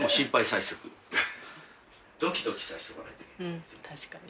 ・うん確かに。